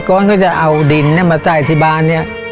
ถ้าเป็นอัตกรก็จะเอาดินมาใส่ที่บ้านนี้